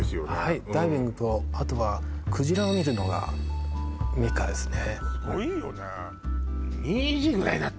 はいダイビングとあとはクジラを見るのがメッカですね